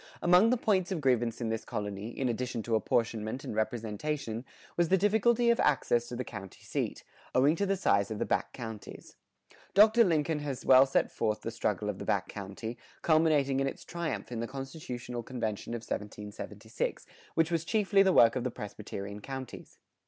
Among the points of grievance in this colony, in addition to apportionment and representation, was the difficulty of access to the county seat, owing to the size of the back counties. Dr. Lincoln has well set forth the struggle of the back country, culminating in its triumph in the constitutional convention of 1776, which was chiefly the work of the Presbyterian counties.